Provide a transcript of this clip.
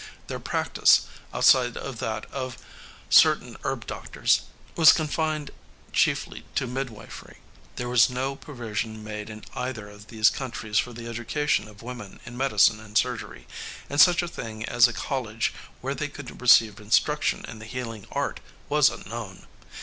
Their practice, outside of that of certain herb doctors, was confined chiefly to midwifery. There was no provision made in either of these countries for the education of women in medicine and surgery, and such a thing as a college where they could receive instruction in the healing art was unknown.